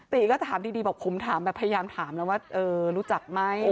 ติก็ถามดีบอกผมถามแบบพยายามถามแล้วว่ารู้จักไหม